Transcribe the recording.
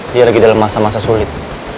dia lagi dalam masa masa sulit